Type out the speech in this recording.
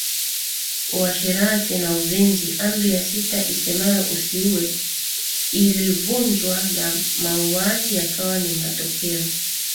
Uasherati na Uzinzi Amri ya sita isemayo usiue ilivunjwa na Mauaji yakawa ni matokeo